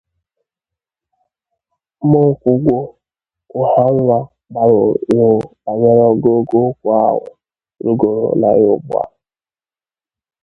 Mokwugwo Ughanwa gbarụrụ ihu banyere ogoogo okwu ahụ rugoro na ya ugbua